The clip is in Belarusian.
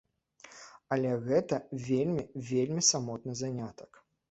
Але гэта вельмі, вельмі самотны занятак.